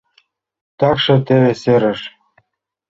Такше теве серыш.